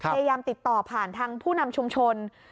พยายามติดต่อผ่านทางผู้นำชุมชน